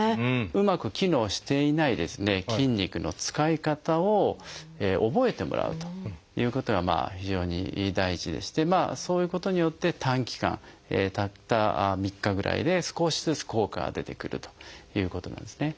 うまく機能していない筋肉の使い方を覚えてもらうということが非常に大事でしてそういうことによって短期間たった３日ぐらいで少しずつ効果が出てくるということなんですね。